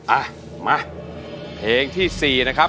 อ่ะมาเพลงที่๔นะครับ